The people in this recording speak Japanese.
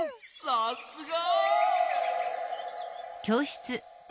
さすが！